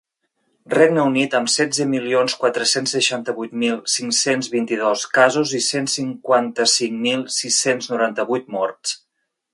Regne Unit, amb setze milions quatre-cents seixanta-vuit mil cinc-cents vint-i-dos casos i cent cinquanta-cinc mil sis-cents noranta-vuit morts.